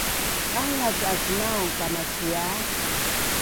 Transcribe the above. Qanglas aas maun kamasia